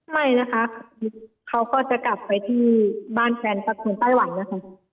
ไม่นะคะเขาก็จะกลับไปที่บ้านแฟนของไต้หวันนะคะ